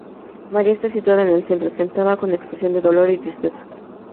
María está situada en el centro, sentada, con expresión de dolor y tristeza.